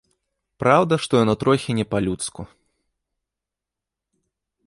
Праўда, што яно трохі не па-людску.